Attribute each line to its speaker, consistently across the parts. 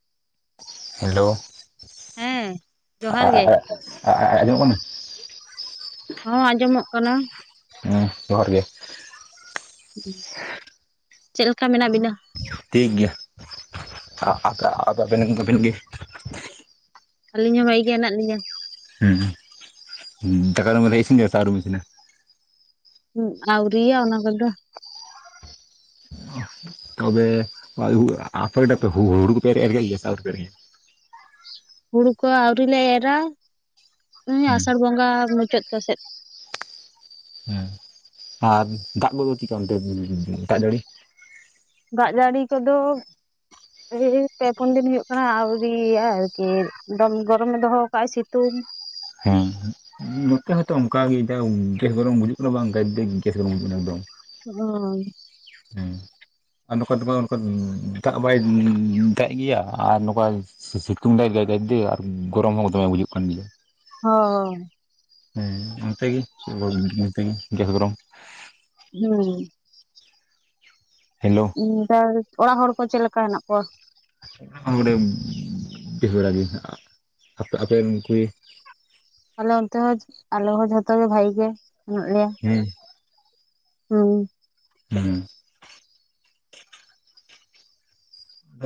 Speaker 1: [inaudible] Hello
Speaker 2: ᱦᱮᱸ
Speaker 1: ᱟᱻ
Speaker 2: ᱡᱚᱦᱟᱨ ᱜᱮ
Speaker 1: ᱟᱻ ᱟᱻ ᱟᱻ ᱟᱸᱡᱚᱢ ᱠᱟᱱᱟ?
Speaker 2: ᱦᱚᱸ ᱟᱸᱡᱚᱢᱚᱜ ᱠᱟᱱᱟ᱾
Speaker 1: ᱦᱚᱸ ᱡᱚᱦᱟᱨ ᱜᱮ᱾
Speaker 2: ᱪᱮᱫᱮ ᱞᱮᱠᱟ ᱢᱮᱱᱟᱜ ᱵᱤᱱᱟ?
Speaker 1: ᱴᱷᱤᱠ ᱜᱮᱭᱟ ᱟ ᱟ ᱟᱵᱮᱱ ᱜᱮ
Speaker 2: ᱟᱹᱞᱤᱧ ᱦᱚᱸ ᱵᱷᱟᱭ ᱜᱮ ᱦᱮᱱᱟᱜ ᱞᱤᱧᱟ᱾
Speaker 1: ᱦᱩᱸ ᱫᱟᱠᱟ ᱢᱮ ᱤᱥᱤᱱ ᱜᱮᱫᱟ ᱥᱮ ᱟᱨᱤ
Speaker 2: ᱦᱩᱸ ᱟᱣᱨᱤᱭᱟ ᱚᱱᱟ ᱠᱚᱫᱚ
Speaker 1: ᱛᱚᱵᱮ ᱟᱯᱷ ᱠᱚᱫᱚ ᱦᱩᱲᱩ ᱠᱚᱯᱮ ᱮᱨᱮᱜ ᱟ ᱥᱮ ᱟᱣᱨᱤᱭᱟ
Speaker 2: ᱦᱩᱲᱩ ᱠᱚ ᱟᱹᱣᱨᱤ ᱞᱮ ᱮᱨᱟ
Speaker 1: ᱦᱩᱸ
Speaker 2: ᱟᱥᱟᱲ ᱵᱚᱸᱜᱟ ᱢᱩᱪᱟᱹᱫ ᱠᱚ ᱥᱮᱫ
Speaker 1: ᱦᱮᱸ ᱟᱨ ᱫᱟᱜ ᱠᱚᱫᱚ ᱪᱮᱫᱠᱟ ᱚᱱᱛᱮ ᱫᱟᱜ ᱡᱟᱹᱲᱤ
Speaker 2: ᱫᱟᱜ ᱡᱟᱹᱲᱤ ᱠᱚᱫᱚᱼᱼ ᱮᱭ ᱯᱮ ᱯᱩᱱ ᱫᱤᱱ ᱦᱩᱭᱩᱭ ᱠᱟᱱᱟ ᱟᱣᱨᱤᱭᱟ ᱟᱨᱠᱤ ᱜᱚᱨᱚᱢᱮ ᱫᱚᱦᱚ ᱟᱠᱟᱫ ᱥᱤᱛᱩᱝ
Speaker 1: ᱦᱮᱸ ᱱᱚᱛᱮ ᱦᱚᱭᱛᱚ ᱚᱱᱠᱟᱜ ᱜᱮ ᱜᱮᱥ ᱜᱚᱨᱚᱢ ᱜᱩᱡᱩᱜ ᱠᱟᱱᱟ ᱵᱟᱝ ᱚᱱᱠᱟᱭ ᱜᱮᱥ ᱜᱚᱨᱚᱢ ᱵᱩᱡᱩᱜ ᱠᱟᱱᱟ ᱮᱠᱫᱚᱢ᱾
Speaker 2: ᱦᱚᱸᱻ
Speaker 1: [unintelligible] ᱟᱨ ᱱᱚᱝᱠᱟ ᱱᱚᱠᱟ ᱱᱚᱝᱠᱟ ᱫᱟᱜ ᱵᱟᱭ ᱢᱮ ᱫᱟᱜ ᱜᱮᱭᱟ ᱟᱨ ᱱᱚᱝᱠᱟ ᱥᱤᱛᱩᱝ ᱫᱟᱭ [unintelligible] ᱟᱨ ᱜᱚᱨᱚᱢ ᱦᱚᱸ ᱫᱚᱢᱮ ᱵᱩᱡᱩᱜ ᱠᱟᱱ ᱜᱮᱭᱟ᱾
Speaker 2: ᱦᱚᱻ
Speaker 1: ᱦᱮᱸ ᱚᱱᱛᱮ ᱜᱮ ᱪᱮᱫ ᱜᱮᱥ ᱜᱚᱨᱚᱢ
Speaker 2: ᱦᱩᱸ
Speaker 1: ᱦᱮᱞᱳ
Speaker 2: [unintelligible] ᱚᱲᱟᱜ ᱦᱚᱲ ᱠᱚ ᱪᱮᱫ ᱞᱮᱠᱟ ᱦᱮᱱᱟᱜ ᱠᱚᱣᱟ?
Speaker 1: ᱚᱰᱮ ᱵᱮᱥ ᱵᱟᱲᱟ ᱜᱮ ᱟ ᱟ ᱟᱯᱮᱨᱮᱱ ᱠᱚᱜᱟ?
Speaker 2: ᱟᱞᱮ ᱚᱱᱛᱮ ᱦᱚᱸ ᱟᱞᱮ ᱦᱚᱸ ᱡᱷᱚᱛᱚ ᱜᱮ ᱵᱷᱟᱜᱤ ᱜᱮ ᱢᱮᱱᱟᱜᱮ ᱞᱮᱭᱟ᱾
Speaker 1: ᱦᱮᱸ
Speaker 2: ᱦᱩᱸ
Speaker 1: ᱦᱩᱸ [unintelligible] [unintelligible]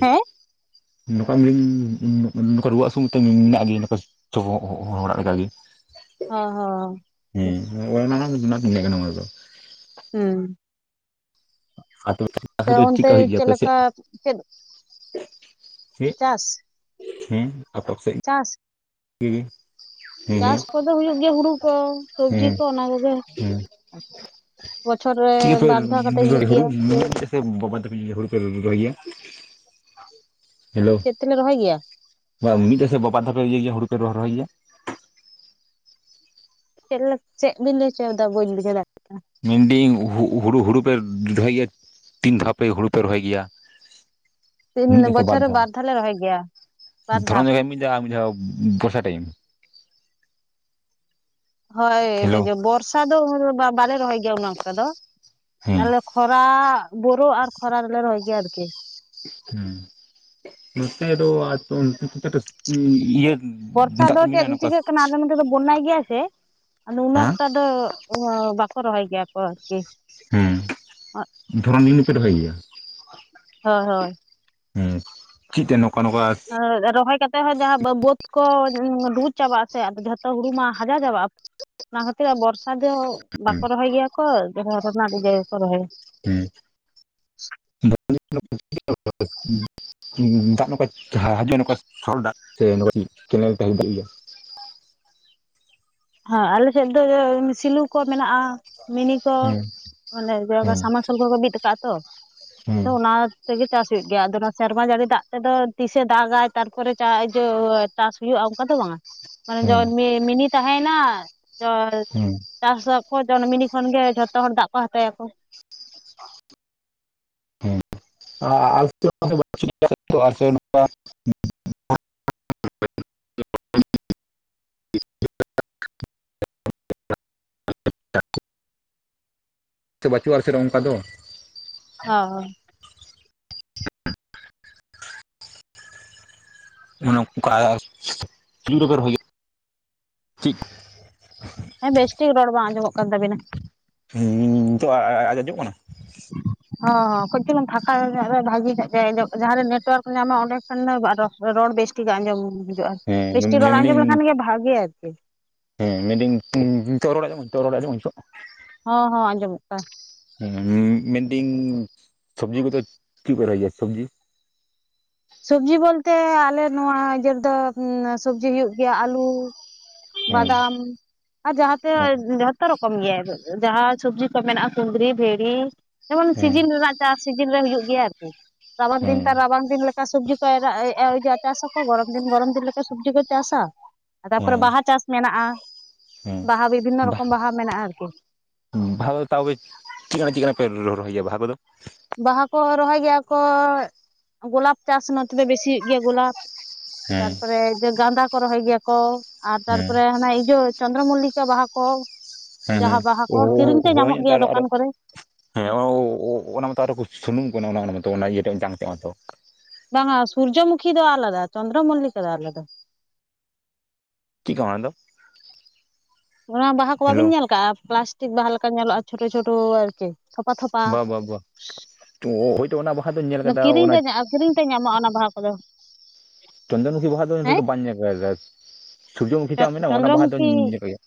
Speaker 2: ᱦᱮᱸ
Speaker 1: ᱱᱚᱝᱠᱟ ᱢᱤᱧ ᱱᱚᱠᱟ ᱨᱩᱣᱟᱹ ᱦᱟᱹᱥᱩ ᱢᱮᱱᱟᱜ ᱜᱮᱭᱟ ᱱᱚᱝᱠᱟ ᱪᱚᱻ ᱚᱲᱟᱜ ᱞᱮᱠᱟᱜᱮ
Speaker 2: ᱦᱚ ᱦᱚ
Speaker 1: [unintelligible]
Speaker 2: ᱦᱩᱸ ᱛᱚ
Speaker 1: ᱟᱨ ᱫᱚ
Speaker 2: ᱚᱱᱛᱮ
Speaker 1: ᱪᱮᱠᱟ ᱦᱩᱭᱩᱜ ᱜᱮᱭᱟ
Speaker 2: ᱪᱮᱫ
Speaker 1: ᱟᱯᱮ
Speaker 2: ᱞᱮᱠᱟ
Speaker 1: ᱥᱮᱜ
Speaker 2: ᱪᱮᱫ ᱪᱟᱥ
Speaker 1: ᱦᱩᱸ ᱟᱯ ᱟᱯ ᱥᱮᱫ
Speaker 2: ᱪᱟᱥ
Speaker 1: ᱦᱩᱸ [unintelligible] ᱦᱮᱸ
Speaker 2: ᱪᱟᱥ ᱠᱚᱫᱚ ᱦᱩᱭᱩᱜ ᱜᱮᱭᱟ ᱦᱩᱲᱩ ᱠᱚ ᱥᱚᱵᱽᱡᱤ
Speaker 1: ᱦᱮᱸ
Speaker 2: ᱠᱚ ᱚᱱᱟ ᱠᱚᱜᱮ
Speaker 1: ᱦᱮᱸ
Speaker 2: ᱵᱚᱪᱷᱚᱨ ᱨᱮ ᱵᱟᱨ ᱫᱷᱟᱣ ᱠᱟᱛᱮ ᱦᱩᱭᱩᱜ ᱜᱮᱭᱟ
Speaker 1: [inaudible] ᱦᱮᱞᱳ
Speaker 2: ᱪᱮᱫ ᱛᱮᱞᱮ ᱨᱚᱦᱚᱭ ᱜᱮᱭᱟ
Speaker 1: ᱢᱤᱫ ᱫᱷᱟᱣ ᱥᱮ ᱵᱟᱵᱟᱫᱷᱟᱣ ᱤᱭᱟᱹᱭ ᱜᱮᱭᱟ ᱦᱩᱲᱩ ᱯᱮ ᱨᱚᱦᱚᱭ ᱜᱮᱭᱟ?
Speaker 2: ᱪᱮᱫ ᱪᱮᱫ ᱵᱤᱱ ᱞᱟᱹᱭ ᱚᱪᱚᱭᱮᱫᱟ ᱵᱟᱹᱧ ᱵᱩᱡᱷᱟ. ᱣ ᱮᱫᱟ
Speaker 1: ᱢᱮᱱᱫᱟᱹᱧ ᱦᱩ ᱦᱩ ᱦᱩᱲᱩ ᱦᱩᱲᱩ ᱯᱮ ᱨᱚᱦᱚᱭ ᱜᱮᱭᱟ ᱛᱤᱱ ᱫᱷᱟᱣ ᱯᱮ ᱦᱩᱲᱩ ᱯᱮ ᱨᱚᱦᱚᱭ ᱜᱮᱭᱟ?
Speaker 2: [unintelligible]
Speaker 1: ᱢᱤᱫ ᱫᱷᱟᱣ ᱥᱮ
Speaker 2: ᱵᱚᱪᱷᱚᱨ
Speaker 1: ᱵᱟᱨ
Speaker 2: ᱨᱮ
Speaker 1: ᱫᱷᱟᱣ
Speaker 2: ᱞᱮ ᱨᱚᱦᱚᱭ ᱜᱮᱭᱟ ᱵᱟᱨ ᱫᱷᱟᱣ
Speaker 1: ᱫᱷᱚᱨᱚᱱ ᱡᱚᱠᱷᱟᱜ ᱢᱤᱫ ᱫᱷᱟᱣ ᱢᱤᱫ ᱫᱷᱟᱣ ᱵᱚᱨᱥᱟ ᱴᱟᱭᱤᱢ ᱦᱮᱞᱳ
Speaker 2: ᱦᱚᱭ ᱵᱚᱨᱥᱟ ᱫᱚ ᱵᱟ ᱵᱟᱞᱮ ᱨᱚᱦᱚᱭ ᱜᱮᱭᱟ ᱩᱱᱟ. ᱜ ᱮᱠᱴᱟ ᱫᱚ
Speaker 1: ᱦᱮᱸ
Speaker 2: ᱠᱷᱚᱨᱟ ᱵᱳᱨᱳ ᱟᱨ ᱠᱷᱚᱨᱟ ᱨᱮᱞᱮ ᱨᱚᱦᱚᱭ ᱜᱮᱭᱟ ᱟᱨ ᱠᱤ
Speaker 1: ᱦᱮᱸ ᱱᱚᱛᱮ ᱫᱚ [inaudible]
Speaker 2: ᱵᱚᱨᱥᱟ
Speaker 1: ᱫᱟᱜ
Speaker 2: ᱫᱚ ᱪᱮᱫ
Speaker 1: ᱢᱮᱱᱟᱜᱼᱟ ᱱᱚᱝᱠᱟ
Speaker 2: ᱪᱤᱠᱟᱹᱜ ᱠᱟᱱᱟ ᱟᱞᱮ ᱱᱚᱛᱮ ᱫᱚ ᱵᱳᱱᱱᱟᱭ ᱜᱮᱭᱟ ᱥᱮ ᱟᱫᱚ ᱩᱱᱟᱹᱜ
Speaker 1: ᱦᱮᱸ
Speaker 2: ᱮᱠᱴᱟ ᱫᱚ ᱚ ᱵᱟᱠᱚ ᱨᱚᱦᱚᱭ ᱜᱮᱭᱟ ᱠᱚ ᱟᱨᱠᱤ
Speaker 1: ᱦᱩᱸ
Speaker 2: ᱦᱳᱭ
Speaker 1: ᱫᱷᱚᱨᱚᱱ ᱫᱤᱱ ᱦᱚᱸᱯᱮ ᱨᱚᱦᱚᱭ ᱜᱮᱭᱟ?
Speaker 2: ᱦᱳᱭ
Speaker 1: ᱪᱮᱫ ᱛᱮ ᱱᱚᱝᱠᱟ ᱱᱚᱝᱠᱟᱼᱼ
Speaker 2: ᱨᱚᱦᱚᱭ ᱠᱟᱛᱮᱜ ᱦᱚᱸ ᱡᱟᱦᱟᱸ ᱵᱟᱹᱫ ᱠᱚ ᱵᱩᱵᱩᱡ ᱪᱟᱵᱟᱜ-ᱟ ᱥᱮ ᱡᱷᱚᱛᱚ ᱦᱩᱲᱩ ᱢᱟ ᱦᱟᱡᱟᱣ ᱪᱟᱵᱟᱜᱼᱟ ᱚᱱᱟ ᱠᱷᱛᱤᱨ ᱵᱚᱨᱥᱟ ᱫᱚ ᱵᱟᱠᱚ ᱨᱚᱦᱚᱭ ᱜᱮᱭᱟ ᱠᱚ [inaudible] ᱨᱚᱦᱚᱭᱟ
Speaker 1: ᱦᱮᱸ [inaudible] ᱫᱟᱜ ᱱᱚᱝᱠᱟ ᱦᱟᱡᱩᱜ ᱱᱚᱝᱠᱟ ᱥᱚᱨᱚᱞ ᱫᱟᱜ ᱥᱮ ᱠᱮᱱᱮᱞ ᱛᱟᱦᱮᱸ ᱫᱟᱲᱭᱟ
Speaker 2: ᱦᱮᱸ ᱟᱞᱮ ᱥᱮᱫ ᱫᱚ ᱥᱤᱞᱩ ᱠᱚ ᱢᱮᱱᱟᱜᱼᱟ ᱢᱤᱱᱤ ᱠᱚ
Speaker 1: ᱦᱮᱸ
Speaker 2: ᱢᱟᱱᱮ
Speaker 1: ᱦᱮᱸ
Speaker 2: ᱥᱟᱢ ᱢᱟᱨᱥᱟᱞ ᱠᱚᱠᱚ ᱵᱤᱫ ᱟᱠᱟᱜᱼᱟ ᱛᱚ
Speaker 1: ᱦᱮᱸ
Speaker 2: ᱟᱫᱚ ᱚᱱᱟ ᱼᱼ ᱛᱮᱜᱮ ᱪᱟᱥ ᱦᱩᱭᱩᱜ ᱜᱮᱭᱟ ᱟᱫᱚ ᱚᱱᱟ ᱥᱮᱨᱢᱟ ᱡᱟᱲᱤ ᱫᱟᱜ ᱛᱮᱫᱚ ᱛᱤᱥᱮ ᱫᱟᱜᱟᱭ ᱛᱟᱨᱯᱚᱨᱮ ᱼᱼ ᱪᱟᱥ ᱦᱩᱭᱩᱜᱼᱟ ᱚᱱᱠᱟ ᱫᱚ ᱵᱟᱝ-ᱟ ᱢᱟᱱᱮ
Speaker 1: ᱦᱮᱸ
Speaker 2: ᱡᱚᱱ ᱢᱤᱱᱤ ᱛᱟᱦᱮᱭᱮᱱᱟ
Speaker 1: ᱦᱮᱸ
Speaker 2: ᱪᱟᱥᱚ ᱟᱠᱚ ᱡᱚᱱ ᱢᱤᱱᱤ ᱠᱷᱚᱱ ᱜᱮ ᱡᱷᱚᱛᱚ ᱦᱚᱲ ᱫᱟᱜ ᱠᱚ ᱦᱟᱛᱟ ᱭᱟᱠᱚ
Speaker 1: ᱦᱮᱸ [inaudible] [inaudible] ᱥᱮ ᱵᱟᱪᱩᱜᱼᱟ [unintelligible] ᱚᱱᱠᱟ ᱫᱚ
Speaker 2: ᱦᱟ ᱦᱟ
Speaker 1: [inaudible]
Speaker 2: ᱦᱮᱸ ᱵᱮᱥ ᱴᱷᱤᱠ ᱨᱚᱲ ᱵᱟᱝ ᱟᱸᱡᱚᱢᱚᱜ ᱠᱟᱱ ᱛᱟᱵᱤᱱᱟ ᱾
Speaker 1: ᱦᱮᱸ ᱱᱤᱛᱚᱜ ᱟ ᱟᱡ ᱚᱡᱚᱜ ᱠᱟᱱᱟ?
Speaker 2: [inaudible] ᱦᱚᱸ ᱠᱟ. ᱡ ᱪᱩᱞᱩᱝ ᱯᱷᱟᱸᱠᱟ ᱱᱟ. ᱜ ᱨᱮ ᱵᱷᱟᱜᱤ ᱱᱚᱜ ᱡᱟᱭᱜᱟ ᱡᱟᱦᱟᱸᱨᱮ ᱱᱮᱴᱣᱟᱨᱠ ᱧᱟᱢᱟ ᱚᱸᱰᱮ ᱠᱷᱟᱱ ᱫᱚ ᱨᱚᱲ ᱵᱮᱥ ᱼᱼ ᱴᱷᱤᱠ ᱟᱸᱡᱚᱢ ᱦᱤᱡᱩᱜᱼᱟ ᱟᱨ
Speaker 1: ᱦᱮᱸ
Speaker 2: ᱵᱤᱥᱴᱤᱠ ᱨᱚᱲ
Speaker 1: ᱢᱮᱱᱫᱟᱹᱧ
Speaker 2: ᱟᱸᱡᱚᱢ ᱞᱮᱠᱷᱟᱱ ᱜᱮ ᱵᱷᱟᱜᱮ ᱟᱨᱠᱤ ᱾
Speaker 1: ᱦᱮᱸ ᱢᱤᱫ ᱫᱚ ᱱᱤ ᱱᱤ ᱱᱤᱛᱚᱜ ᱨᱚᱲ‌ [inaudible]
Speaker 2: ᱦᱚᱸ ᱦᱚᱸ ᱟᱸᱡᱚᱢᱚᱜ ᱠᱟᱱᱟ ᱾
Speaker 1: ᱦᱮᱸ ᱢᱮᱱᱫᱤᱧ ᱥᱚᱵᱽᱡᱤ ᱠᱚᱫᱚ ᱪᱮᱫ ᱯᱮ ᱨᱚᱦᱚᱭ ᱜᱮᱭᱟ ᱥᱚᱵᱽᱡᱤ?
Speaker 2: ᱥᱚᱵᱡᱤ ᱵᱚᱞᱛᱮ ᱟᱞᱮ ᱱᱚᱣᱟ ᱤᱭᱟᱹ ᱨᱮᱫᱚ ᱥᱚᱵᱡᱤ ᱦᱩᱭᱩᱜ ᱜᱮᱭᱟ ᱟᱞᱩ
Speaker 1: ᱦᱮᱸ
Speaker 2: ᱵᱟᱫᱟᱢ ᱟᱨ ᱡᱟᱦᱟᱸᱛᱮ
Speaker 1: ᱦᱮᱸ
Speaker 2: ᱡᱷᱚᱛᱚ ᱨᱚᱠᱚᱢ ᱜᱮ ᱡᱟᱦᱟᱸ ᱥᱚᱵᱽᱡᱤ ᱠᱚ ᱢᱮᱱᱟᱜᱼᱟ ᱠᱩᱸᱫᱽᱨᱤ ᱵᱷᱤᱲᱤ ᱡᱮᱢᱚᱱ
Speaker 1: ᱦᱮᱸ
Speaker 2: ᱥᱤᱡᱤᱱ ᱨᱮᱱᱟᱜ ᱪᱟᱥ ᱥᱤᱡᱤᱱ ᱨᱮ ᱦᱩᱭᱩᱜ ᱜᱮᱭᱟ ᱟᱨᱠᱤ ᱨᱟᱵᱟᱝ ᱫᱤᱱ ᱛᱟᱨ ᱨᱟᱵᱟᱝ ᱫᱤᱱ ᱞᱮᱠᱟ ᱥᱩᱵᱽᱡᱤ ᱠᱚ ᱪᱟᱥᱟ ᱟᱠᱚ ᱜᱚᱨᱚᱢ ᱫᱤᱱ ᱜᱚᱨᱚᱢ ᱫᱤᱱ ᱞᱮᱠᱟ ᱥᱩᱵᱽᱡᱤ ᱠᱚ ᱪᱟᱥᱟ ᱛᱟᱯᱚᱨᱮ
Speaker 1: ᱦᱮᱸ ᱦᱮᱸ
Speaker 2: ᱵᱟᱦᱟ ᱪᱟᱥ ᱢᱮᱱᱟᱜᱼᱟ
Speaker 1: ᱦᱮᱸ
Speaker 2: ᱵᱟᱦᱟ ᱵᱤᱵᱷᱤᱱᱱᱚ ᱨᱚᱠᱚᱢ ᱵᱟᱦᱟ ᱢᱮᱱᱟᱜᱼᱟ ᱟᱨᱠᱤ
Speaker 1: ᱵᱟᱦᱟ ᱠᱚᱫᱚ ᱛᱟᱣ ᱜᱮ ᱪᱮᱜ ᱠᱟᱱᱟᱜ ᱪᱮᱜ ᱠᱟᱱᱟᱜ ᱯᱮ ᱨᱚᱦᱚᱭ ᱜᱮᱭᱟ ᱵᱟᱦᱟ ᱠᱚ ᱫᱚ
Speaker 2: ᱵᱟᱦᱟ ᱠᱚ ᱨᱚᱦᱚᱭ ᱜᱮᱭᱟ ᱠᱚ ᱜᱳᱞᱟᱯ ᱪᱟᱥ ᱱᱚᱛᱮ ᱫᱚ ᱵᱮᱥᱤ ᱦᱩᱭᱩᱜ ᱜᱮᱭᱟ ᱜᱳᱞᱟᱯ ᱾
Speaker 1: ᱦᱮᱸ
Speaker 2: ᱛᱟᱨᱯᱚᱨᱮ ᱜᱟᱸᱫᱟ ᱠᱚ ᱨᱚᱦᱚᱭ ᱜᱮᱭᱟ ᱠᱚ ᱟᱨ
Speaker 1: ᱦᱮᱸ
Speaker 2: ᱛᱟᱨᱯᱚᱨᱮ ᱦᱟᱱᱟ ᱤᱡᱟ. ᱪᱚᱱᱫᱨᱚ ᱢᱩᱞᱞᱤ ᱵᱟᱦᱟ ᱠᱚ
Speaker 1: ᱦᱮᱸ ᱦᱮᱸ
Speaker 2: ᱡᱟᱦᱟᱸ ᱵᱟᱦᱟ ᱠᱚ ᱠᱤᱨᱤᱧ ᱛᱮ
Speaker 1: ᱦᱳᱭ
Speaker 2: ᱧᱟᱢᱚᱜ ᱜᱮᱭᱟ
Speaker 1: ᱟᱨ
Speaker 2: ᱫᱚᱠᱟᱱ ᱠᱚ ᱨᱮ ᱾
Speaker 1: ᱦᱮᱸ ᱚᱱᱟ ᱢᱟᱛᱚ ᱟᱨᱚ ᱠᱚ ᱥᱩᱱᱩᱢ ᱠᱟᱱᱟ ᱚᱱᱟ ᱢᱚᱛᱚ ᱚᱱᱟ ᱤᱭᱟᱹ ᱡᱟᱝ ᱛᱮᱫ ᱢᱟᱛᱚ ᱾
Speaker 2: ᱵᱟᱝᱟ ᱥᱩᱨᱡᱚᱢᱩᱠᱷᱤ ᱫᱚ ᱟᱞᱟᱫᱟ ᱪᱚᱱᱫᱨᱚ ᱢᱚᱞᱞᱤᱠᱟ ᱫᱚ ᱟᱞᱟᱫᱟ
Speaker 1: ᱪᱤᱜᱠᱟ ᱚᱱᱟ ᱫᱚ?
Speaker 2: ᱚᱱᱟ ᱵᱟᱦᱟ ᱠᱚ
Speaker 1: ᱦᱮᱞᱳ
Speaker 2: ᱵᱟᱵᱤᱱ ᱧᱮᱞ ᱠᱟᱜᱼᱟ ᱯᱞᱟᱥᱴᱤᱠ ᱵᱟᱦᱟ ᱞᱮᱠᱟ ᱧᱮᱞᱚᱜᱼᱟ ᱪᱷᱳᱴᱳ ᱪᱷᱳᱴᱳ ᱟᱨᱠᱤ ᱛᱷᱚᱯᱟ ᱛᱷᱚᱯᱟ,
Speaker 1: ᱵᱟ ᱵᱟ ᱵᱟ ᱦᱳᱭᱛᱳ ᱚᱱᱟ ᱵᱟᱦᱟ ᱫᱚᱧ ᱧᱮᱞ
Speaker 2: ᱚᱱᱟ
Speaker 1: ᱟᱠᱟᱫᱟ
Speaker 2: ᱠᱤᱨᱤᱧ ᱨᱮ ᱧᱟᱸᱜᱼᱟ ᱠᱤᱨᱤᱧ ᱛᱮ ᱧᱟᱢᱚᱜᱼᱟ ᱚᱱᱟ ᱵᱟᱦᱟ ᱠᱚᱫᱚ᱾
Speaker 1: ᱪᱚᱱᱫᱚᱱᱢᱩᱠᱷᱤ ᱵᱟᱦᱟ
Speaker 2: ᱦᱮᱸ
Speaker 1: ᱫᱚ ᱵᱟᱧ ᱧᱮᱞ ᱠᱟᱫᱟ ᱥᱩᱨᱡᱚᱢᱩᱠᱷᱤ ᱴᱟᱜ ᱢᱮᱱᱟᱜᱼᱟ ᱚᱱᱟ ᱵᱟᱦᱟ ᱫᱚᱧ
Speaker 2: ᱪᱚᱱᱫᱨᱚᱢᱩᱠᱷᱤ
Speaker 1: ᱧᱮᱞ ᱠᱟᱜ ᱜᱮ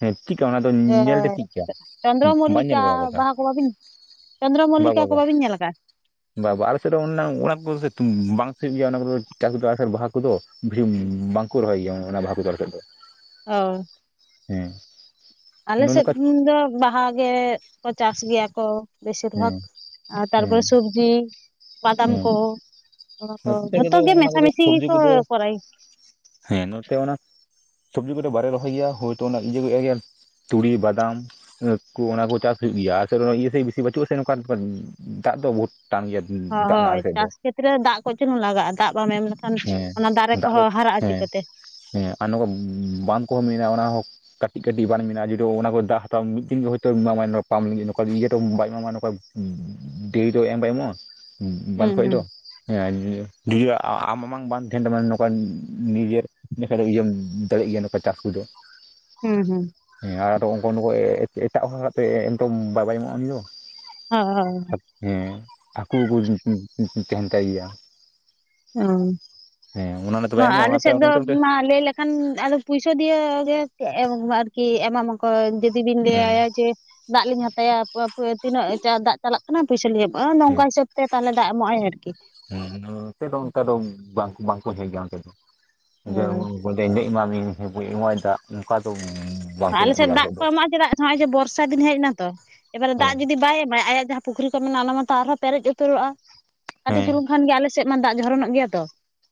Speaker 1: ᱦᱮᱸ ᱪᱤᱜ ᱠᱟ ᱚᱱᱟ ᱫᱚ ᱧᱮᱞᱛᱮ ᱪᱤᱜ ᱠᱟ,
Speaker 2: ᱪᱚᱱᱫᱨᱚ
Speaker 1: ᱵᱟᱧ ᱧᱮᱞ
Speaker 2: ᱢᱚᱞᱞᱤᱠᱟ
Speaker 1: ᱵᱟᱲᱟ ᱟᱠᱟᱫᱟ᱾
Speaker 2: ᱵᱟᱦᱟ ᱠᱚ ᱵᱟᱵᱤᱱ ᱪᱚᱱᱫᱨᱚ
Speaker 1: ᱵᱟ ᱵᱟ
Speaker 2: ᱢᱚᱞᱞᱤᱠᱟ ᱠᱚ
Speaker 1: ᱵᱟ
Speaker 2: ᱵᱟᱵᱤᱱ ᱧᱮᱞ ᱟᱠᱟᱜ-ᱟ
Speaker 1: ᱵᱟ ᱵᱟ ᱟᱞᱮ ᱥᱮᱫ ᱫᱚ [unintelligible] ᱵᱟᱝ ᱦᱩᱭᱩᱜ ᱜᱮᱭᱟ ᱚᱱᱟ ᱠᱚᱫᱚ ᱪᱟᱥ ᱵᱟᱥ ᱵᱟᱦᱟ ᱠᱚᱫᱚ ᱵᱷᱤᱱ ᱵᱟᱝᱠᱩ ᱨᱚᱦᱚᱭ ᱜᱮᱭᱟ ᱚᱱᱟ ᱵᱟᱦᱟ ᱠᱚ ᱫᱚ ᱟᱞᱮᱥᱮᱜ ᱫᱚ᱾
Speaker 2: ᱚ
Speaker 1: ᱦᱩᱸ
Speaker 2: ᱟᱞᱮᱥᱮᱫ ᱫᱚ ᱵᱟᱦᱟ ᱜᱮᱠᱚ ᱪᱟᱥ ᱜᱮᱭᱟ ᱠᱚ ᱵᱤᱥᱤᱨ ᱵᱷᱟᱠ
Speaker 1: ᱦᱮᱸ
Speaker 2: ᱟᱨ ᱛᱟᱨᱯᱚᱨᱮ
Speaker 1: ᱦᱮᱸ
Speaker 2: ᱥᱚᱵᱽᱡᱤ, ᱵᱟᱫᱟᱢ
Speaker 1: ᱦᱮᱸ
Speaker 2: ᱠᱚ ᱚᱱᱟ ᱠᱚ
Speaker 1: ᱱᱚᱛᱮ
Speaker 2: ᱡᱷᱚᱛᱚ
Speaker 1: ᱠᱚᱫᱚ
Speaker 2: ᱜᱮ
Speaker 1: ᱚᱱᱟ ᱠᱚᱫᱚ
Speaker 2: ᱢᱮᱥᱟᱢᱤᱥᱤ
Speaker 1: ᱥᱚᱵᱽᱡᱤ
Speaker 2: ᱜᱤᱠᱚ
Speaker 1: ᱠᱚᱫᱚ
Speaker 2: ᱠᱚᱨᱟᱭ
Speaker 1: ᱦᱮᱸ ᱱᱚᱛᱮ ᱚᱱᱟ ᱥᱚᱵᱽᱡᱤ ᱠᱚᱫᱚ ᱵᱟᱞᱮ ᱨᱚᱦᱚᱭ ᱜᱮᱭᱟ ᱦᱩᱭᱛᱚ ᱚᱱᱟ ᱤᱭᱟᱹ ᱜᱮ ᱛᱩᱲᱤ, ᱵᱟᱫᱟᱢ ᱠᱩ ᱚᱱᱟ ᱠᱩ ᱪᱟᱥ ᱦᱩᱭᱩᱜ ᱜᱮᱭᱟ᱾ ᱟᱞᱮ ᱥᱮᱫ ᱨᱮ ᱤᱭᱟᱹ ᱥᱮᱜ ᱵᱤᱥᱤ ᱵᱟᱪᱩᱜᱼᱟ ᱥᱮ ᱱᱚᱝᱠᱟ ᱫᱟᱜ ᱫᱚ ᱵᱩᱦᱩᱛ ᱴᱟᱱ ᱜᱮᱭᱟ᱾
Speaker 2: ᱦᱚᱸ
Speaker 1: ᱫᱟᱜ ᱨᱮᱱᱟᱜ
Speaker 2: ᱦᱚᱭ
Speaker 1: ᱟᱞᱮ ᱥᱮᱫ ᱫᱚ
Speaker 2: ᱪᱟᱥ ᱠᱷᱮᱛᱮᱨᱮ ᱫᱟᱜ ᱠᱟᱹᱡᱪᱩᱞᱩᱝ ᱞᱟᱜᱟᱜᱼᱟ᱾ ᱫᱟᱜ ᱵᱟᱢ ᱮᱢ ᱞᱮᱠᱷᱟᱱ
Speaker 1: ᱦᱮᱸ
Speaker 2: ᱚᱱᱟ ᱫᱟᱨᱮ ᱠᱚ
Speaker 1: ᱫᱟᱜ ᱫᱚ
Speaker 2: ᱦᱚᱸ ᱦᱟᱨᱟᱜᱼᱟ
Speaker 1: ᱦᱮᱸ
Speaker 2: ᱪᱤᱠᱟᱹᱛᱮ
Speaker 1: ᱦᱮᱸ ᱟᱨ ᱱᱚᱠᱟ ᱵᱟᱱᱫᱷ ᱠᱚᱦᱚᱸ ᱢᱮᱱᱟᱜᱼᱟ ᱚᱱᱟ ᱦᱚᱸ ᱠᱟᱴᱤᱜ ᱠᱟᱴᱤᱜ ᱵᱟᱱᱫᱷ ᱢᱮᱱᱟᱜᱼᱟ ᱡᱩᱫᱤᱭᱳ ᱚᱱᱟᱠᱚ ᱫᱟᱜ ᱦᱟᱛᱟᱣ ᱢᱤᱫ ᱫᱤᱱ ᱜᱮ ᱦᱳᱭᱛᱳ ᱮᱢᱟ ᱢᱟᱭ ᱯᱟᱢᱯ ᱞᱟᱹᱜᱤᱜ ᱱᱚᱠᱟ ᱤᱭᱟᱹ ᱛᱮᱦᱚ ᱵᱟᱭ ᱮᱢᱟᱢᱟ ᱱᱚᱠᱟ ᱰᱮ. ᱨ ᱫᱚ ᱮᱢ ᱵᱟᱭ ᱮᱢᱚᱜᱟᱭ ᱵᱟᱱᱫᱷ
Speaker 2: ᱦᱩᱸ
Speaker 1: ᱠᱷᱚᱡ
Speaker 2: ᱦᱩᱸ
Speaker 1: ᱫᱚ [unintelligible] ᱵᱟᱱᱫᱷ ᱵᱟᱝ ᱛᱟᱦᱮᱱ ᱛᱟᱢᱟ ᱱᱚᱝᱠᱟᱱ ᱱᱤᱡᱮᱨ ᱤᱱᱟᱹ ᱠᱷᱟᱡ ᱫᱚ ᱤᱭᱟ. ᱢ ᱫᱟᱲᱤᱭᱟᱜ ᱜᱮᱭᱟ ᱱᱚᱝᱠᱟ ᱪᱟᱥ ᱠᱩᱫᱚ᱾
Speaker 2: ᱦᱩᱸ ᱦᱩᱸ
Speaker 1: ᱦᱮᱸ ᱟᱫᱚ ᱚᱱᱠᱟᱱ ᱚᱠᱚᱭ ᱮ ᱮᱴᱟᱜ ᱦᱚᱲᱟᱜ ᱛᱮ ᱮᱢ ᱛᱚ ᱵᱟᱭ ᱮᱢᱚᱜᱼᱟ ᱩᱱᱤ ᱫᱚ᱾
Speaker 2: ᱦᱚ ᱦᱚᱭ
Speaker 1: ᱦᱮᱸ ᱦᱟᱹᱠᱩ ᱠᱚᱦᱚᱸ ᱠᱚ ᱛᱮᱦᱮᱱ ᱛᱟᱭ ᱜᱮᱭᱟ
Speaker 2: ᱚᱸ
Speaker 1: ᱦᱮᱸ ᱚᱱᱟ ᱱᱟᱜ
Speaker 2: ᱱᱚᱣᱟ ᱟᱞ ᱥᱮᱫ ᱫᱚ ᱢᱟ ᱞᱟᱹᱭ ᱞᱮ ᱠᱷᱟᱱ ᱟᱫᱚ ᱯᱩᱭᱥᱟᱹ ᱫᱤᱭᱟ. ᱜᱮ ᱟᱨᱠᱤ ᱮᱢᱟᱢ ᱟᱨᱠᱤ ᱮᱢᱟᱢᱟᱠᱚ ᱡᱮᱫ ᱡᱩᱫᱤᱵᱤᱱ
Speaker 1: ᱦᱮᱸ
Speaker 2: ᱞᱟᱹᱭᱟᱭᱟ ᱡᱮ ᱫᱟᱜ ᱞᱤᱧ ᱦᱟᱛᱟᱭᱟ ᱛᱤᱱᱟᱹᱜ ᱫᱟᱜ ᱪᱟᱞᱟᱜ ᱠᱟᱱᱟ ᱯᱩᱭᱥᱟᱹ ᱞᱤᱧ - ᱚᱭ ᱱᱚᱝᱠᱟ ᱦᱤᱥᱟᱹᱵ ᱛᱮ ᱛᱟᱦᱚᱞᱮ ᱫᱟᱜ ᱮᱢᱚᱜᱼᱟᱭ ᱟᱨᱠᱤ᱾
Speaker 1: ᱦᱩᱸ ᱱᱚᱛᱮ ᱫᱚ ᱚᱱᱠᱟ ᱫᱚ ᱵᱟᱝ ᱵᱟᱝᱠᱩ ᱦᱮᱸ ᱜᱮᱭᱟ ᱚᱱᱛᱮ ᱫᱚ ᱡᱮ
Speaker 2: ᱦᱮᱸ
Speaker 1: [unintelligible] ᱵᱟ. ᱭ ᱮᱢᱟᱭᱟ ᱫᱟᱜ ᱱᱚᱝᱠᱟ ᱫᱚ ᱵᱟ
Speaker 2: ᱟ ᱟᱞᱮᱥᱮᱫ ᱫᱟᱜ ᱠᱚ ᱮᱢᱟᱜᱼᱟ ᱪᱮᱫᱟᱜ ᱱᱚᱜᱼᱚᱭ ᱡᱮ ᱵᱚᱨᱥᱟ ᱫᱤᱱ ᱦᱮᱸᱜ ᱮᱱᱟ ᱛᱚ ᱮᱵᱟᱨᱮ ᱫᱟᱜ ᱡᱩᱫᱤ ᱵᱟᱭ ᱮᱢᱟᱭ ᱟᱭᱟᱜ ᱡᱟᱦᱟᱸ ᱯᱩᱠᱷᱤᱨᱤ ᱠᱚ ᱢᱮᱱᱟᱜᱼᱟ ᱚᱱᱟ ᱢᱟᱛᱚ ᱟᱨᱦᱚᱸ ᱯᱮᱨᱮᱡ ᱩᱛᱟᱹᱨᱚᱜᱼᱟ ᱠᱟᱴᱤᱡ
Speaker 1: ᱦᱮᱸ
Speaker 2: ᱪᱩᱞᱩᱝ ᱠᱷᱟᱱ ᱜᱮ ᱟᱞᱮ ᱥᱮᱜ ᱢᱟ ᱫᱟᱜ ᱡᱷᱚᱨᱚᱱᱚᱜ ᱜᱮᱭᱟ ᱛᱚ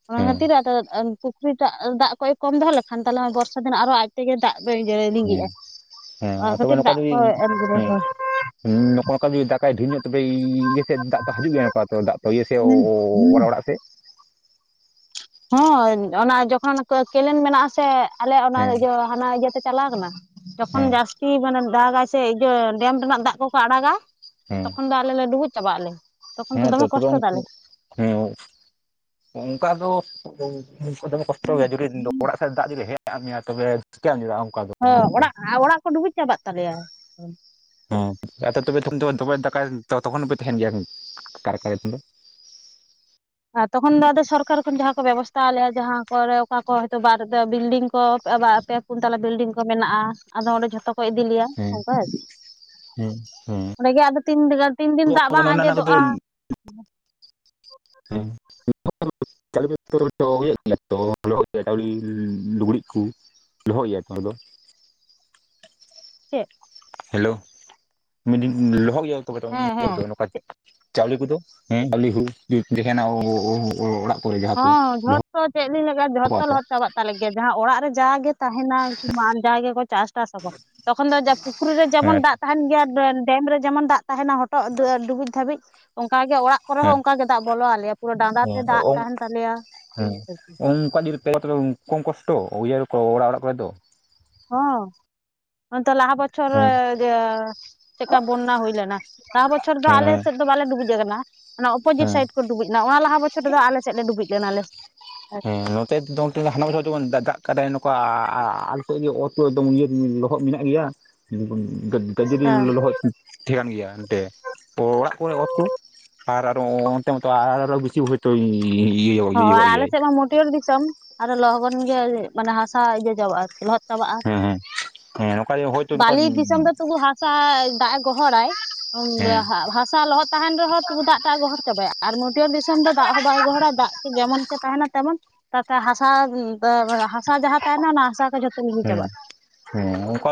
Speaker 2: ᱚᱱᱟ
Speaker 1: ᱦᱮᱸ
Speaker 2: ᱠᱷᱟᱹᱛᱤᱨ ᱟᱫᱚ ᱟ ᱯᱩᱠᱷᱤᱨᱤ ᱴᱟᱜ ᱫᱟᱜ ᱠᱚ ᱠᱚᱢ ᱫᱚᱦᱚ ᱞᱮᱠᱷᱟᱱ ᱛᱟᱞᱮ ᱚᱸᱭ ᱵᱚᱨᱥᱟ ᱫᱤᱱ ᱟᱨᱚ ᱦᱚᱸ ᱟᱡ ᱛᱮᱜᱮ ᱫᱟᱜ
Speaker 1: ᱦᱮᱸ
Speaker 2: ᱞᱤᱸᱜᱤᱜᱼᱟ
Speaker 1: ᱦᱮᱸ
Speaker 2: ᱚᱱᱟ
Speaker 1: ᱟᱨ ᱛᱚᱵᱮ
Speaker 2: ᱠᱷᱟᱹᱛᱤᱨ
Speaker 1: ᱱᱚᱝᱠᱟ
Speaker 2: ᱫᱟᱜ
Speaker 1: ᱡᱩᱫᱤ
Speaker 2: ᱠᱚ ᱮᱢ ᱠᱮᱫᱟ
Speaker 1: ᱦᱮᱸ
Speaker 2: ᱠᱚ
Speaker 1: ᱦᱩ ᱱᱚᱠᱟ ᱱᱚᱠᱟ ᱫᱟᱜᱟᱭ ᱰᱷᱤᱨ ᱧᱚᱜ ᱛᱚᱵᱮ ᱤᱭᱟᱹ ᱥᱮᱫ ᱫᱟᱜ ᱛᱚ ᱦᱟᱡᱤᱜ ᱜᱮᱭᱟ ᱛᱚ ᱱᱚᱠᱟ ᱫᱟᱜ ᱤᱭᱟᱹ ᱥᱮᱜ ᱚᱲᱟᱜ ᱚᱲᱟᱜ ᱥᱮᱜ
Speaker 2: ᱦᱮᱸ ᱚᱱᱟ ᱡᱚᱠᱷᱚᱱ ᱠᱚ ᱠᱮᱱᱮᱞ ᱢᱮᱱᱟᱜ ᱟᱥᱮ ᱟᱞᱮᱭᱟᱜ ᱚᱱᱟ
Speaker 1: ᱦᱮᱸ
Speaker 2: ᱤᱭᱟᱹ ᱦᱟᱱᱟ ᱤᱭᱟᱹ ᱛᱮ ᱪᱟᱞᱟ ᱠᱟᱱᱟ ᱡᱚᱠᱷᱚᱱ
Speaker 1: ᱦᱮᱸ
Speaker 2: ᱡᱟᱥ ᱠᱤ ᱢᱟᱱᱮ ᱫᱟᱜᱟᱭ ᱥᱮ ᱤᱭᱟᱹ ᱰᱮᱢ ᱨᱮᱱᱟᱜ ᱫᱟᱜ ᱠᱚᱠᱚ ᱟᱲᱟᱜᱟ
Speaker 1: ᱦᱮᱸ
Speaker 2: ᱛᱚᱠᱷᱚᱱ ᱫᱚ ᱟᱞᱮ ᱞᱮ ᱰᱩᱵᱩᱡ ᱪᱟᱵᱟᱜ ᱟᱞᱮ ᱛᱚᱠᱷᱚᱱ ᱫᱚ ᱫᱚᱢᱮ ᱠᱚᱥᱴᱚ ᱛᱟᱞᱮ᱾
Speaker 1: ᱦᱩᱸ ᱚᱝᱠᱟ ᱫᱚ ᱫᱚᱢ ᱫᱚᱢᱮ ᱠᱚᱥᱴᱚ ᱜᱮᱭᱟ ᱡᱩᱫᱤ ᱚᱲᱟᱜ ᱥᱮᱫ ᱫᱟᱜ ᱡᱩᱫᱤ ᱦᱮᱜ ᱟᱜ ᱢᱮᱭᱟ ᱛᱚᱵᱮ ᱪᱮᱠᱟ ᱦᱩᱭᱩᱜ ᱟ
Speaker 2: ᱦᱚᱸ ᱚᱲᱟᱜᱼᱟ, ᱚᱲᱟᱜ ᱠᱚ ᱰᱩᱵᱩᱡ ᱪᱟᱵᱟᱜ ᱛᱟᱞᱮᱭᱟ᱾
Speaker 1: ᱦᱮᱸ ᱛᱚ ᱛᱚᱵᱮ ᱛᱚᱠᱷᱱ ᱫᱚ ᱫᱚᱢᱮᱭ ᱫᱟᱠᱟᱭ ᱛᱚ ᱛᱚᱠᱷᱚᱱ ᱦᱚᱸᱯᱮ ᱛᱟᱦᱮᱱ ᱜᱮᱭᱟ ᱦᱩ ᱠᱟᱨᱮ ᱠᱟᱨᱮ ᱩᱱ ᱫᱚ
Speaker 2: ᱛᱚᱠᱷᱚᱱ ᱫᱚ ᱟᱫᱚ ᱥᱚᱨᱠᱟᱨ ᱠᱷᱚᱱ ᱡᱟᱦᱟᱸ ᱠᱚ ᱵᱮᱵᱚᱥᱛᱷᱟ ᱟᱞᱮᱭᱟ ᱡᱟᱦᱟᱸ ᱠᱚᱨᱮ ᱚᱠᱟ ᱠᱚ ᱦᱚᱭᱛᱳ ᱵᱟᱨ ᱵᱤᱞᱰᱤᱝ ᱠᱚ ᱯᱩᱱ ᱛᱟᱞᱟ ᱵᱤᱞᱰᱤᱝ ᱠᱚ ᱢᱮᱱᱟᱜᱼᱟ ᱟᱫᱚ ᱚᱸᱰᱮ ᱡᱷᱚᱛᱚ ᱠᱚ ᱤᱫᱤ ᱞᱮᱭᱟ
Speaker 1: ᱦᱮᱸ
Speaker 2: ᱚᱱᱠᱟ ᱟᱨᱠᱤ
Speaker 1: ᱦᱮᱸ ᱦᱮᱸ
Speaker 2: ᱚᱸᱰᱮ ᱜᱮ ᱟᱫᱚ ᱛᱤᱱ ᱫᱤᱱ ᱫᱟᱜ ᱵᱟᱝ
Speaker 1: ᱚᱱᱮ ᱚᱱᱟ ᱠᱚᱫᱚ
Speaker 2: ᱟᱸᱡᱮᱫᱚᱜᱼᱟ
Speaker 1: ᱦᱮᱸ [unintelligible] ᱛᱚ ᱪᱟᱣᱮ ᱞᱩᱜᱽᱲᱤᱡ ᱠᱚ ᱫᱚᱦᱚᱭ ᱜᱮᱭᱟ ᱛᱚ ᱚᱱᱟ ᱫᱚ
Speaker 2: ᱪᱮᱫ
Speaker 1: ᱦᱮᱞᱳ ᱢᱮᱱᱤᱧ ᱞᱚᱦᱚᱫ ᱜᱮᱭᱟ ᱛᱚ
Speaker 2: ᱦᱮᱸ ᱦᱮᱸ
Speaker 1: [inaudible] ᱪᱟᱣᱞᱮ ᱠᱚᱫᱚ ᱦᱩ ᱪᱟᱣᱞᱮ ᱦᱩᱲᱩ ᱡᱩᱫᱤ ᱛᱟᱦᱮᱱᱟ ᱚᱻᱲᱟᱜ ᱠᱚᱨᱮ ᱡᱟᱦᱟᱸ ᱠᱚ
Speaker 2: ᱚ ᱪᱮᱫ ᱵᱤᱱ ᱞᱟᱜᱟ
Speaker 1: ᱠᱚᱜᱼᱟ
Speaker 2: ᱡᱚᱛᱚ
Speaker 1: ᱛᱚ
Speaker 2: ᱞᱚᱦᱚᱫ ᱪᱟᱵᱟᱜ ᱛᱟᱞᱮ ᱜᱮᱭᱟ ᱡᱟᱦᱟᱸ ᱚᱲᱟᱜ ᱨᱮ ᱡᱟᱜᱮ ᱛᱟᱦᱮᱱᱟ ᱠᱤ ᱵᱟ ᱡᱟ ᱜᱮᱠᱚ ᱪᱟᱥ ᱴᱟᱥ ᱟᱵᱟ ᱛᱚᱠᱷᱚᱱ ᱫᱚ ᱯᱩᱠᱷᱨᱤ ᱨᱮ ᱡᱮᱢᱚᱱ
Speaker 1: ᱦᱮᱸ
Speaker 2: ᱫᱟᱜ ᱛᱟᱦᱮᱱ ᱜᱮᱭᱟ ᱰᱮᱢ ᱨᱮ ᱡᱮᱢᱚᱱ ᱫᱟᱜ ᱛᱟᱦᱮᱱᱟ ᱦᱚᱴᱚᱜ ᱰᱩᱵᱩᱡ ᱫᱷᱟᱹᱵᱤᱡ ᱚᱱᱠᱟ ᱜᱮ ᱚᱲᱟᱜ ᱠᱚᱨᱮ ᱦᱚᱸ
Speaker 1: ᱦᱮᱸ ᱦᱮᱸ
Speaker 2: ᱚᱱᱠᱟ ᱜᱮ ᱫᱟᱜ ᱵᱚᱞᱚ ᱟᱞᱮᱭᱟ ᱯᱩᱨᱟᱹ ᱰᱟᱸᱰᱟ ᱛᱮ ᱫᱟᱜ ᱛᱟᱦᱮᱱ ᱛᱟᱞᱮᱭᱟ
Speaker 1: ᱦᱮᱸ ᱚᱱᱠᱟ ᱡᱩᱫᱤ ᱯᱮ ᱛᱚᱵᱮ ᱠᱚᱢ ᱠᱚᱥᱴᱚ ᱩᱭᱦᱟᱹᱨ ᱠᱚ ᱚᱲᱟᱜ ᱚᱲᱟᱜ ᱠᱚᱨᱮ ᱫᱚ
Speaker 2: ᱦᱚᱸ ᱦᱚᱜ ᱚᱭ ᱛᱚ ᱞᱟᱦᱟ ᱵᱚᱪᱷᱚᱨ
Speaker 1: ᱦᱮᱸ
Speaker 2: ᱡᱮ ᱪᱮᱠᱟ ᱵᱚᱱᱱᱟ ᱦᱩᱭ ᱞᱮᱱᱟ ᱞᱟᱦᱟ ᱵᱚᱪᱷᱚᱨ ᱫᱚ
Speaker 1: ᱦᱮᱸ
Speaker 2: ᱟᱞᱮ
Speaker 1: ᱦᱮᱸ
Speaker 2: ᱥᱮᱫ ᱫᱚ ᱵᱟᱞᱮ ᱰᱩᱵᱩᱡ ᱠᱟᱱᱟ ᱚᱱᱟ ᱚᱯᱚᱡᱤᱴ
Speaker 1: ᱦᱮᱸ
Speaker 2: ᱥᱟᱭᱤᱰ ᱠᱚ ᱰᱩᱵᱩᱡ ᱱᱟ ᱚᱱᱟᱞᱟᱦᱟ ᱵᱚᱪᱷᱚᱨ ᱨᱮᱫᱚ ᱟᱞᱮ ᱥᱮᱫᱞᱮ ᱰᱩᱵᱩᱡ ᱞᱮᱱᱟᱞᱮ
Speaker 1: ᱦᱮᱸ ᱱᱚᱛᱮ ᱫᱚ ᱦᱟᱱᱟ ᱡᱮᱢᱚᱱ ᱫᱟᱜ ᱠᱟᱫᱟᱭ ᱱᱚᱝᱠᱟ ᱟᱞ ᱚᱛ ᱯᱩᱨᱟ. ᱮᱠᱫᱚᱢ ᱤᱭᱟ. ᱞᱚᱦᱚᱫ ᱢᱮᱱᱟᱜ ᱜᱮᱭᱟ ᱡᱩᱫᱤ ᱵᱚᱱ ᱛᱚ ᱡᱩᱫᱤ
Speaker 2: ᱟᱪᱪᱷᱟ
Speaker 1: ᱞᱚᱦᱚᱫ ᱛᱟᱦᱮᱱ ᱜᱮᱭᱟ ᱮᱱᱛᱮ ᱚᱲᱟᱜ ᱠᱚᱨᱮ ᱚᱛ ᱠᱚ ᱟᱨ ᱟᱨᱚ ᱚᱱᱛᱮ ᱢᱚᱛᱚ ᱟᱨᱦ ᱟᱨᱚ ᱵᱤᱥᱤ ᱦᱩᱭ ᱛᱳ [unintelligible]
Speaker 2: ᱦᱚ ᱟᱞᱮ ᱥᱮᱫ ᱢᱟ ᱢᱟᱹᱴᱭᱟᱹᱨ ᱫᱤᱥᱚᱢ ᱟᱨᱚ ᱞᱚᱜᱚᱱ ᱜᱮ ᱢᱟᱱᱮ ᱦᱟᱥᱟ ᱤᱭᱟᱹ ᱪᱟᱵᱟᱜᱼᱟ ᱟᱨᱠᱤ ᱞᱚᱦᱚᱫ ᱪᱟᱵᱟᱜᱼᱟ᱾
Speaker 1: ᱦᱮᱸ ᱦᱮᱸ ᱦᱮᱸ ᱱᱚᱝᱠᱟ ᱦᱳᱭᱛᱳ ᱱᱚᱝᱠᱟ
Speaker 2: ᱵᱟᱹᱞᱤ ᱫᱤᱥᱚᱢ ᱫᱚ ᱛᱚᱵᱩ ᱦᱟᱥ ᱪᱟᱭ ᱫᱟᱜ ᱮ ᱜᱚᱦᱚᱲᱟᱭ
Speaker 1: ᱦᱮᱸ
Speaker 2: ᱦᱟᱥᱟ ᱞᱚᱦᱚᱫ ᱛᱟᱦᱮᱱ ᱨᱮᱦᱚᱸ ᱛᱚᱵᱩ ᱫᱟᱜ ᱴᱟᱜ ᱮ ᱜᱚᱦᱚᱲ ᱪᱟᱵᱟᱭᱟ ᱟᱨ ᱢᱟᱹᱴᱭᱟᱹᱲ ᱫᱤᱥᱚᱢ ᱫᱚ ᱫᱟᱜ ᱦᱚᱸ ᱵᱟᱭ ᱜᱚᱦᱚᱲᱟ ᱫᱟᱜ ᱡᱮᱢᱚᱱ ᱠᱮ ᱛᱟᱦᱮᱱᱟ ᱛᱮᱢᱚᱱ ᱛᱟᱛᱮ ᱦᱟᱥᱟ ᱦᱟᱥᱟ ᱡᱟᱦᱟᱸ ᱛᱟᱦᱮᱱᱟ ᱚᱱᱟ ᱦᱟᱥᱟ ᱡᱚᱛᱚ
Speaker 1: ᱦᱮᱸ ᱦᱮᱸ ᱚᱱᱠᱟ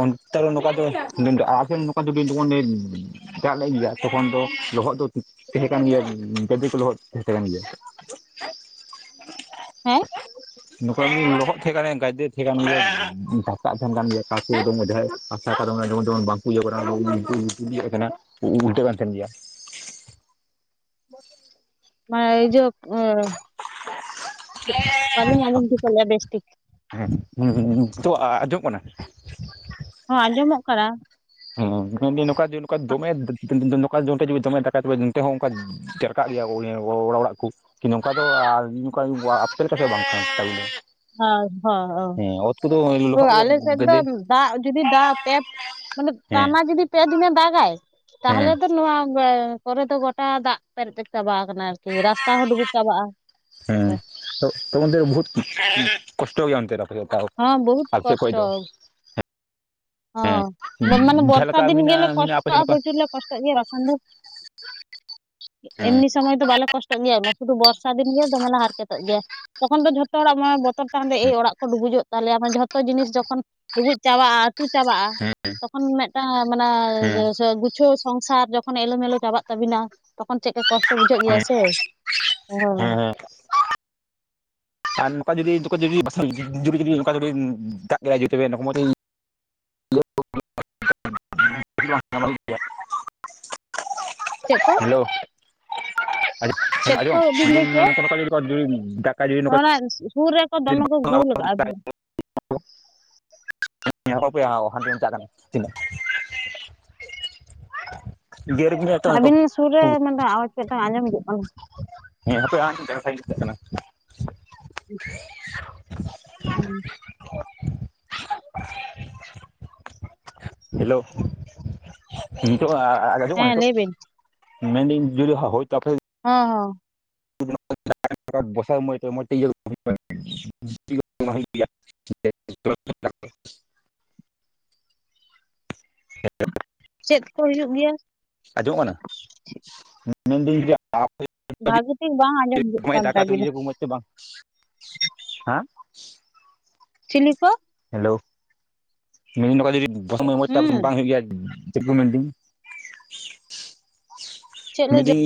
Speaker 1: ᱚᱱᱠᱟ ᱛᱮ ᱱᱚᱠᱟ ᱫᱚ ᱟᱵᱤᱱ [unintelligible] ᱫᱟᱜ ᱞᱮᱫ ᱜᱮᱭᱟ ᱛᱚᱠᱷᱚᱱ ᱫᱚ ᱞᱚᱦᱚᱫ ᱫᱚ ᱛᱟᱦᱮᱸ ᱠᱟᱱ ᱜᱮᱭᱟ ᱜᱟᱫᱮᱠᱚ ᱞᱚᱦᱚᱫ ᱛᱟᱦᱮᱸ ᱠᱟᱱ ᱜᱮᱭᱟ
Speaker 2: ᱦᱮᱸ
Speaker 1: ᱱᱚᱝᱠᱟ ᱞᱚᱦᱚᱫ ᱛᱟᱦᱮᱸ ᱠᱟᱱ ᱜᱮᱭᱟ ᱜᱟᱫᱮ ᱛᱟᱦᱮᱸ ᱠᱟᱱ ᱜᱮᱭᱟ ᱫᱷᱟᱯᱟᱜ ᱛᱟᱦᱮᱸ ᱠᱟᱱ ᱜᱮᱭᱟ [unintelligible] ᱚᱠᱟ ᱠᱚ ᱫᱚ ᱦᱚᱜ ᱚᱭ ᱡᱮᱢᱚᱱ ᱵᱟᱝᱠᱚ ᱤᱭᱟᱹᱜ ᱠᱟᱱᱟ ᱤᱭᱟᱹ ᱟᱠᱟᱱᱟ ᱩᱞᱴᱟᱹ ᱠᱟᱱ ᱛᱟᱦᱮᱱ ᱜᱮᱭᱟ
Speaker 2: ᱵᱟᱭ ᱡᱳᱠ ᱮ ᱵᱟᱹᱞᱤᱧ ᱟᱸᱡᱚᱢ ᱴᱷᱤᱠᱟᱹ ᱞᱮᱫᱟ ᱵᱮᱥ ᱴᱷᱤᱠ
Speaker 1: ᱦᱮᱸ ᱱᱤᱛᱚᱜ ᱟᱸᱡᱚᱢ ᱠᱟᱱᱟ
Speaker 2: ᱦᱚᱸ ᱟᱸᱡᱚᱢᱚᱜ ᱠᱟᱱᱟ
Speaker 1: ᱦᱮᱸ ᱱᱚᱝᱠᱟ ᱱᱚᱝᱠᱟ ᱫᱚᱢᱮ ᱱᱚᱝᱠᱟ ᱡᱩᱫᱤ ᱫᱚᱢᱮ ᱫᱟᱜᱟᱭ ᱛᱚᱵᱮ ᱱᱚᱛᱚ ᱦᱚᱸ ᱟᱠᱟᱫ ᱜᱮᱭᱟ ᱚᱲᱟᱜ ᱚᱲᱟᱜ ᱠᱚ ᱱᱚᱝᱠᱟ ᱫᱚ ᱟᱯᱮ [unintelligible]
Speaker 2: ᱦᱚᱭ‌ ᱚ
Speaker 1: ᱦᱮᱸ ᱚᱛ ᱠᱚᱫᱚ
Speaker 2: ᱚ
Speaker 1: ᱞᱚᱦᱚᱫ ᱜᱮᱭᱟ
Speaker 2: ᱟᱞᱮ ᱥᱮᱫ
Speaker 1: ᱜᱟᱫᱮ
Speaker 2: ᱫᱚᱢ ᱫᱟᱜ ᱡᱩᱫᱤ ᱫᱟᱜ ᱯᱮ ᱢᱟᱱᱮ
Speaker 1: ᱦᱮᱸ
Speaker 2: ᱴᱟᱱᱟ ᱡᱩᱫᱤ ᱯᱮ ᱫᱤᱱᱮ ᱫᱟᱜᱟᱭ ᱛᱟᱦᱚᱞᱮ
Speaker 1: ᱦᱮᱸ
Speaker 2: ᱫᱚ ᱱᱚᱣᱟ ᱠᱚᱨᱮ ᱫᱚ ᱜᱚᱴᱟ ᱫᱟᱜ ᱯᱮᱨᱮᱡ ᱪᱟᱵᱟ ᱠᱟᱱᱟ ᱟᱨᱠᱤ ᱨᱟᱥᱛᱟ ᱦᱚᱸ ᱰᱩᱵᱩᱡ ᱪᱟᱵᱟᱜᱼᱟ
Speaker 1: ᱦᱩᱸ ᱛᱚ ᱵᱚᱦᱩᱛ ᱠᱚᱥᱴᱚ ᱜᱮᱭᱟ ᱚᱱᱛᱮ ᱫᱚ
Speaker 2: ᱦᱚᱸ ᱵᱚᱦᱩᱛ
Speaker 1: ᱟᱨ ᱪᱮᱫ ᱠᱚᱭ ᱫᱚ᱾
Speaker 2: ᱚ ᱢᱟᱱᱮ
Speaker 1: ᱡᱟᱦᱟᱸ ᱞᱮᱠᱟ
Speaker 2: ᱵᱚᱨᱥᱟ ᱫᱤᱱ
Speaker 1: ᱢᱮᱱᱟᱜᱼᱟ
Speaker 2: ᱜᱮᱞᱮ
Speaker 1: ᱢᱮᱱᱟᱜᱼᱟ ᱟᱯᱮ ᱥᱮᱫ
Speaker 2: ᱠᱚᱥᱴᱚᱜᱼᱟ
Speaker 1: ᱱᱚᱝᱠᱟ
Speaker 2: ᱯᱨᱚᱪᱩᱨ ᱞᱮ ᱠᱚᱥᱴᱚᱜ ᱜᱮᱭᱟ ᱵᱟᱠᱷᱟᱱ ᱫᱚ᱾ ᱮᱢᱱᱤ ᱥᱚᱢᱚᱭ ᱫᱚ ᱵᱟᱞᱮ ᱠᱚᱥᱴᱚᱜ ᱜᱮᱭᱟ ᱥᱩᱫᱷᱩ ᱵᱚᱨᱥᱟ ᱫᱤᱱ ᱜᱮ ᱫᱚᱢᱮ ᱦᱟᱨᱠᱮᱛᱚᱜ ᱜᱮᱭᱟ ᱛᱚᱠᱷᱚᱱ ᱫᱚ ᱡᱷᱚᱛᱚ᱾ ᱡᱚᱛᱚ ᱦᱚᱲᱟᱜ ᱢᱟᱱᱮ ᱵᱚᱛᱚᱨ ᱛᱟᱦᱮᱱ ᱫᱚ ᱮᱹᱭ ᱚᱲᱟᱜ ᱠᱚ ᱰᱩᱵᱩᱡᱚᱜ ᱛᱟᱞᱮᱭᱟ ᱢᱟᱱᱮ ᱡᱷᱚᱛᱚ ᱡᱤᱱᱤᱥ ᱡᱚᱠᱷᱚᱱ ᱰᱩᱵᱩᱡ ᱪᱟᱵᱟᱜᱼᱟ᱾ ᱟᱹᱛᱩ ᱪᱟᱵᱟᱜᱼᱟ ᱢᱤᱫᱴᱟᱝ ᱢᱟᱱᱮ
Speaker 1: ᱦᱮᱸ
Speaker 2: ᱜᱩᱪ ᱠᱤᱪᱷᱩ ᱥᱚᱝᱥᱟᱨ ᱡᱚᱠᱷᱚᱱ ᱮᱞᱚ ᱢᱮᱞᱚ ᱪᱟᱵᱟᱜ ᱛᱟᱵᱤᱱᱟ ᱛᱚᱠᱷᱚᱱ ᱪᱮᱫ ᱞᱮᱠᱟ ᱠᱚᱥᱴᱚ ᱵᱩᱡᱷᱟᱹᱜ ᱜᱮᱭᱟ ᱥᱮ ᱦᱚᱭ
Speaker 1: ᱦᱮᱸ ᱟᱨ ᱱᱚᱝᱠᱟ ᱡᱩᱫᱤ ᱱᱚᱝᱠᱟ ᱡᱩᱫᱤ ᱡᱩᱤ ᱱᱚᱝᱠᱟ ᱡᱩᱫᱤ ᱫᱟᱜᱟᱭ ᱡ ᱢᱚᱛᱚ ᱵᱟᱝ [unintelligible]
Speaker 2: ᱪᱮᱫ ᱠᱚ
Speaker 1: ᱦᱮᱞᱚ
Speaker 2: ᱪᱮᱫ ᱠᱚ
Speaker 1: ᱟᱸᱡᱚᱢ
Speaker 2: ᱵᱤᱱ
Speaker 1: ᱡᱩᱫᱤ
Speaker 2: ᱞᱟᱹᱭ ᱠᱮᱜᱼᱟ
Speaker 1: ᱱᱚᱠᱟ ᱫᱟᱠᱟ
Speaker 2: ᱥᱩᱨ ᱨᱮᱠᱚ ᱫᱚᱢᱮ ᱠᱚ ᱜᱩᱞ ᱠᱟᱜᱼᱟ
Speaker 1: ᱦᱮᱞᱚ ᱦᱟᱯᱮ ᱦᱟᱞᱚᱭ ᱚᱱᱛᱮ ᱞᱤᱧ ᱪᱟᱞᱟᱜ ᱠᱟᱱᱟ ᱛᱤᱱᱟᱹᱜ ᱜᱮᱨ ᱜᱮᱭᱟ ᱛᱚ ᱱᱚᱝᱠᱟ
Speaker 2: ᱟᱹᱵᱤᱱ ᱥᱩᱨ ᱨᱮ ᱢᱤᱫᱴᱟᱝ ᱟᱣᱟᱡᱽ ᱢᱤᱫᱴᱟᱝ ᱟᱸᱡᱚᱢ ᱦᱤᱡᱩᱜ ᱠᱟᱱᱟ
Speaker 1: ᱦᱮᱸᱯᱮ ᱟᱜ ᱚᱱᱛᱮ ᱞᱤᱧ ᱪᱟᱞᱟᱜ ᱠᱟᱱᱟ
Speaker 2: ᱦᱮᱸ
Speaker 1: [inaudible]
Speaker 2: ᱦᱩᱸ
Speaker 1: [inaudible] ᱦᱮᱞᱳ ᱱᱤᱛᱚᱜ ᱟᱼᱟ ᱟᱸᱡᱚᱢᱚᱜ
Speaker 2: ᱦᱮᱸ
Speaker 1: ᱱᱤᱛᱚᱜ
Speaker 2: ᱞᱟᱹᱭ ᱵᱤᱱ
Speaker 1: ᱢᱮᱱᱫᱟᱹᱧ ᱡᱩᱫᱤ ᱦᱳᱭ ᱛᱚ ᱟᱯᱮ ᱥᱮᱫ
Speaker 2: ᱦᱚᱸ ᱦᱚᱸ
Speaker 1: ᱵᱟᱨᱥᱟ ᱢᱟᱭ ᱛᱮ ᱢᱟᱡ ᱛᱮ ᱦᱩᱭᱩᱜ ᱜᱮᱭᱟ ᱤᱧᱟᱜ ᱨᱚᱲ ᱟᱡᱚᱢ ᱫᱟᱢ? [unintelligible]
Speaker 2: ᱪᱮᱫ ᱠᱚ ᱦᱩᱭᱩᱜ ᱜᱮᱭᱟ?
Speaker 1: ᱟᱸᱡᱚᱢ ᱠᱟᱱᱟ᱾ ᱢᱮᱱᱫᱟᱹᱧ ᱡᱮ ᱟᱯᱮ ᱥᱮᱫ
Speaker 2: ᱵᱷᱟᱜᱤ ᱴᱷᱤᱠ ᱵᱟᱝ ᱟᱸᱡᱚᱢ ᱦᱤᱡᱩᱜ
Speaker 1: ᱫᱚᱢᱮ
Speaker 2: ᱠᱟᱱ
Speaker 1: ᱫᱟᱠᱟ ᱛᱮ
Speaker 2: ᱛᱟᱵᱤᱱᱟ
Speaker 1: ᱤᱭᱟᱹ ᱠᱚ ᱵᱟᱝ ᱟᱸ ᱦᱮᱸ
Speaker 2: ᱪᱤᱞᱤ ᱠᱚ?
Speaker 1: ᱦᱮᱞᱳ ᱢᱮᱱ ᱱᱚᱝᱠᱟ ᱡᱩᱫᱤ ᱵᱟᱨᱚ ᱥᱚᱢᱚᱭ ᱢᱚᱡᱽ ᱴᱟ
Speaker 2: ᱦᱩᱸ
Speaker 1: ᱵᱟᱝ ᱦᱩᱭᱩᱜ ᱜᱮᱭᱟ? ᱪᱮᱫ ᱠᱚ ᱢᱮᱱᱫᱟᱹᱧ
Speaker 2: ᱪᱮᱫ ᱞᱮ ᱡᱚᱼ
Speaker 1: ᱢᱮᱱᱫᱟᱹᱧ